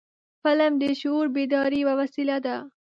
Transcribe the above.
فلم د شعور بیدارۍ یو وسیله ده